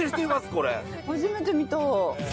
初めて見た。